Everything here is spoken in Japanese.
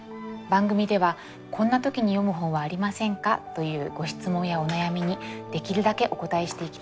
番組では「こんな時に読む本はありませんか？」というご質問やお悩みにできるだけお答えしていきたいと思います。